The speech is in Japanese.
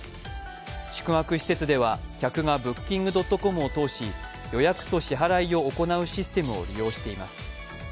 宿泊施設では客がＢｏｏｋｉｎｇ．ｃｏｍを通し予約と支払いを行うシステムを利用しています